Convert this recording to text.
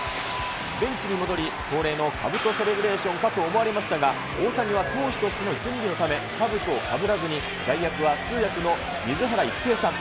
ベンチに戻り、恒例のかぶとセレブレーションかと思われましたが、大谷は投手としての準備のため、かぶとをかぶらずに、代役は通訳の水原一平さん。